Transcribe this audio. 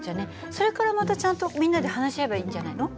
それからまたちゃんとみんなで話し合えばいいんじゃないの？